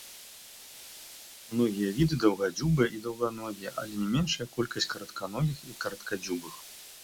Многія віды даўгадзюбыя і даўганогія але не меншая колькасць каратканогіх і караткадзюбых.